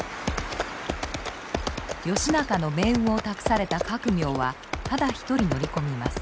義仲の命運を託された覚明はただ一人乗り込みます。